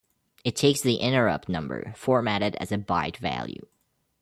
It takes the interrupt number formatted as a byte value.